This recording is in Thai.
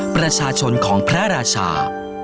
ประชาชนของพระราชา